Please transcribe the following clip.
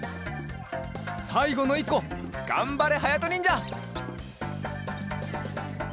さいごのいっこがんばれはやとにんじゃ。